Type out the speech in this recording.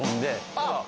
あっ！